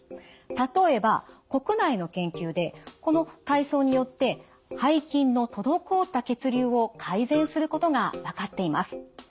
例えば国内の研究でこの体操によって背筋の滞った血流を改善することが分かっています。